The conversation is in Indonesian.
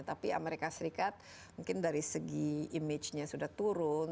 tapi amerika serikat mungkin dari segi image nya sudah turun